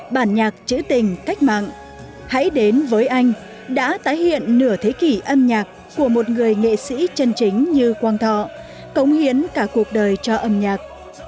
bản nhạc trữ tình cách mạng hãy đến với anh đã tái hiện nửa thế kỷ âm nhạc của một người nghệ sĩ chân chính như quang thọ cống hiến cả cuộc đời cho âm nhạc